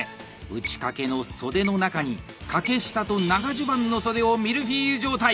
打掛の袖の中に掛下と長襦袢の袖をミルフィーユ状態。